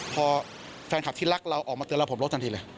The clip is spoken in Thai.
พอแฟนคลับที่รักเราออกมาเตือนเราผมลดทันทีเลย